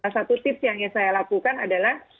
satu tips yang saya lakukan adalah